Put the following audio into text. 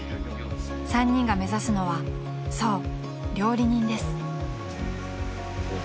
［３人が目指すのはそう料理人です］